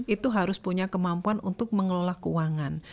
itu harus punya kemampuan untuk mengelola keuangan